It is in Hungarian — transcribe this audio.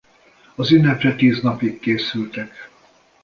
Az ünnepre tíz napig készültek.